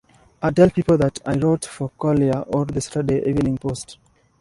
I'd tell people that I wrote for "Collier's" or "The Saturday Evening Post".